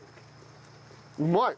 うまい！